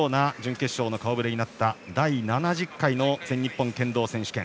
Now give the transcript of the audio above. ご覧のような準決勝の顔ぶれになった第７０回全日本剣道選手権。